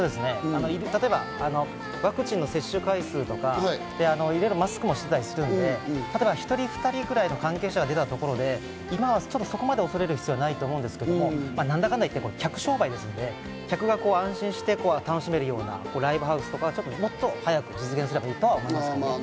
例えばワクチンの接種回数とか、マスクもしていたりするので、１人２人ぐらいの関係者が出たところで今はそこまで恐れる必要はないと思いますけど、なんだかんだ言って客商売なので、客が安心して楽しめるようなライブハウスとか、もっと早く実現すればいいと思います。